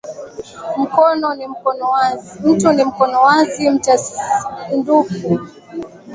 Mtu ni mkono wazi, mtasadaku na watu